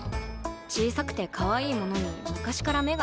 小さくてかわいいものに昔から目がないんです。